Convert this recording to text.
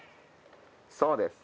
そうです。